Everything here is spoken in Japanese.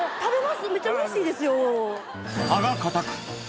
めっちゃうれしいですよ。